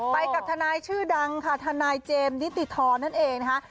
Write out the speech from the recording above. ไปกับทนายชื่อดังค่ะทนายเจมส์นิติธรนั่นเองนะคะ